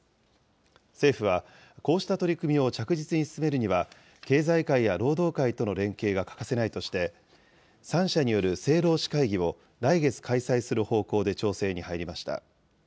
政府は、こうした取り組みを着実に進めるには、経済界や労働界との連携が欠かせないとして、３者による政労使会議を、来月開催する方向で調整に入りました。